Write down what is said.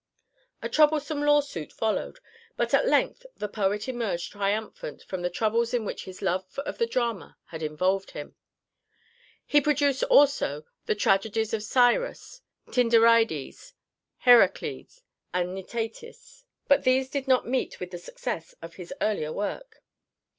A troublesome law suit followed, but at length the poet emerged triumphant from the troubles in which his love of the drama had involved him. He produced also the tragedies of Cyrus, Tyndarides, Héraclides, and Nitétis, but these did not meet with the success of his earlier work.